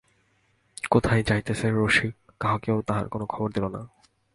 কোথায় যাইতেছে রসিক কাহাকেও তাহার কোনো খবর দিল না।